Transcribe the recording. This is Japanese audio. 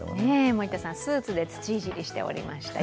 森田さんスーツで土いじりしておりました。